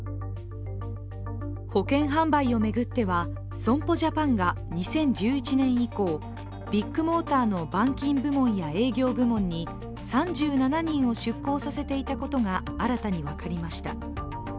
保険販売を巡っては損保ジャパンが２０１１年以降ビッグモーターの板金部門や営業部門に３７人を出向させていたことが新たに分かりました。